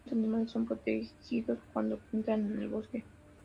Algunos animales son protegidos cuando entran en el bosque.